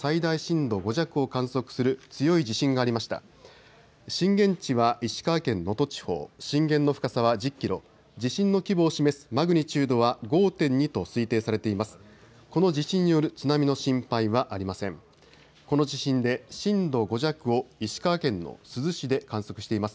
震源地は石川県能登地方、震源の深さは１０キロ、地震の規模を示すマグニチュードは５．２と推定されています。